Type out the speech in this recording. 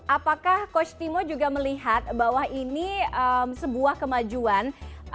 apakah coach timo juga melihat bahwa ini sebuah kemajuan